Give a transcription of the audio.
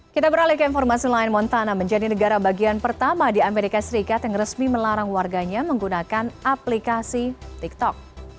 kita beralih ke informasi lain montana menjadi negara bagian pertama di amerika serikat yang resmi melarang warganya menggunakan aplikasi tiktok